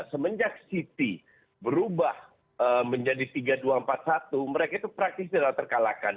semenjak city berubah menjadi tiga dua empat satu mereka itu praktis tidak terkalahkan